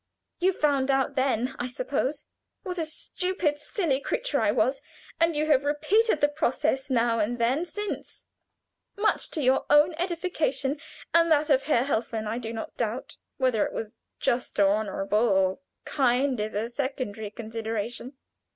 You found out then, I suppose, what a stupid, silly creature I was, and you have repeated the process now and then, since much to your own edification and that of Herr Helfen, I do not doubt. Whether it was just, or honorable, or kind, is a secondary consideration.